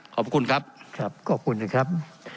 ขอบคุณครับ